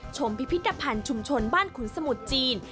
พิพิธภัณฑ์ชุมชนบ้านขุนสมุทรจีน